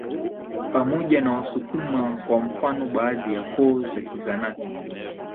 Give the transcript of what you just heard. pamoja na Wasukuma kwa mfano baadhi ya koo za Kizanaki